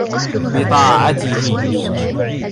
بِطَاعَتِهِ